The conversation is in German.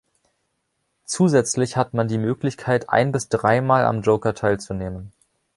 Zusätzlich hat man die Möglichkeit, ein- bis dreimal am Joker teilzunehmen.